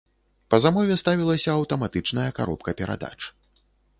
Па замове ставілася аўтаматычная каробка перадач.